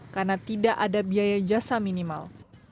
karena tidak ada biaya jasa minimal